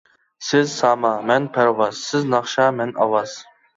سىز ساما، مەن پەرۋاز، سىز ناخشا، مەن ئاۋاز.